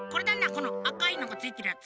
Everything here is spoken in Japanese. このあかいのがついてるやつ。